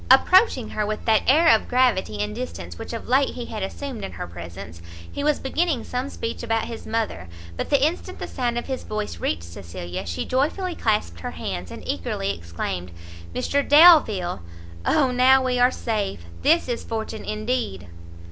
Approaching her with that air of gravity and distance which of late he had assumed in her presence, he was beginning some speech about his mother; but the instant the sound of his voice reached Cecilia, she joyfully clasped her hands, and eagerly exclaimed, "Mr Delvile! O now we are safe! this is fortunate indeed!"